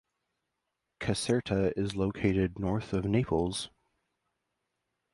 Caserta is located north of Naples.